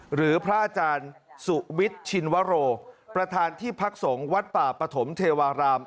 หรือพระอาจารย์สุวิทย์ชินวโรประธานที่พักสงฆ์วัดป่าปฐมเทวาราม